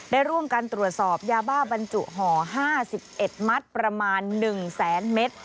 ได้ร่วมกันตรวจสอบยาบ้าบรรจุห่อ๕๑มัตต์ประมาณ๑แสนเมตร